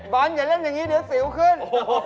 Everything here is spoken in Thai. อย่าเล่นอย่างนี้เดี๋ยวสิวขึ้น